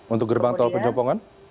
untuk gerbang tol pejompongan